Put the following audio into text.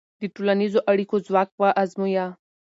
د ټولنیزو اړیکو ځواک وازمویه.